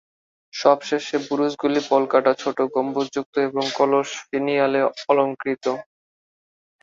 সব শেষে বুরুজগুলি পলকাটা ছোট গম্বুজযুক্ত এবং কলস ফিনিয়ালে অলঙ্কৃত।